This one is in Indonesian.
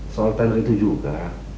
sultan ritu juga